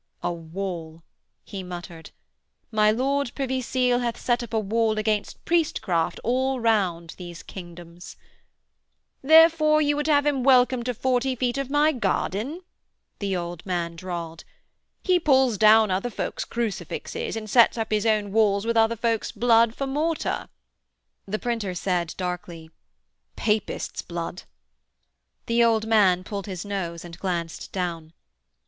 'A wall,' he muttered; 'my Lord Privy Seal hath set up a wall against priestcraft all round these kingdoms ' 'Therefore you would have him welcome to forty feet of my garden?' the old man drawled. 'He pulls down other folks' crucifixes and sets up his own walls with other folks' blood for mortar.' The printer said darkly: 'Papists' blood.' The old man pulled his nose and glanced down.